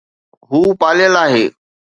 هو پاليل آهي